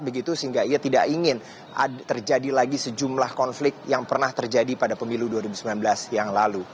begitu sehingga ia tidak ingin terjadi lagi sejumlah konflik yang pernah terjadi pada pemilu dua ribu sembilan belas yang lalu